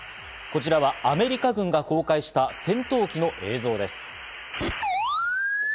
こちらはアメリカ軍が公開した戦闘機の映像です。